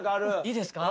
いいですか？